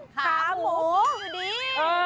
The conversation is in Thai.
ขาหมูสุดี